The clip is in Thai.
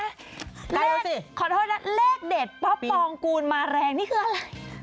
เลขสิขอโทษนะเลขเด็ดป๊อปปองกูลมาแรงนี่คืออะไร